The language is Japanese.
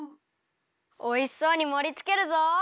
おいしそうにもりつけるぞ！